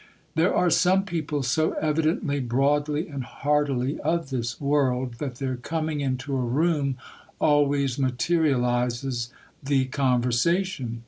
There are some people so evidently broadly and heartily of this world, that their coming into a room always materializes the conversation.